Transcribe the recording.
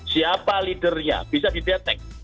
siapa lidernya bisa dideteksi